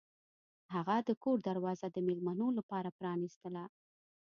هغه د کور دروازه د میلمنو لپاره پرانیستله.